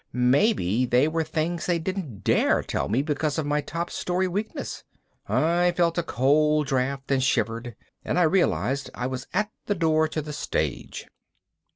Maybe they were things they didn't dare tell me because of my top storey weakness. I felt a cold draft and shivered and I realized I was at the door to the stage.